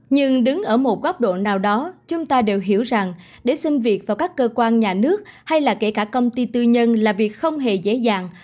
nhưng đứng ở một góc độ nào đó chúng ta đều hiểu rằng để xin việc vào các cơ quan nhà nước hay là kể cả công ty tư nhân là việc không hề dễ dàng